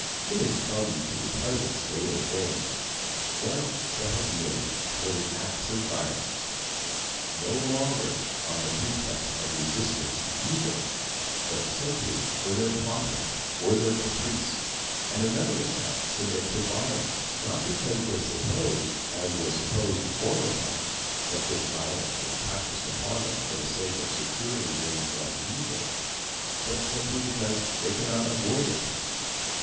It has come to the present state of things; one set of men commit acts of violence no longer on the pretext of resistance to evil, but simply for their profit or their caprice, and another set submit to violence, not because they suppose, as was supposed in former times, that this violence was practised upon them for the sake of securing them from evil, but simply because they cannot avoid it.